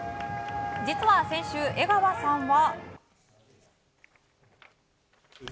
実は先週、江川さんは。